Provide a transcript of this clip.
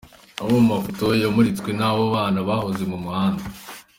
Amwe mu mafoto yamuritswe n'abo bana bahoze ku muhanda.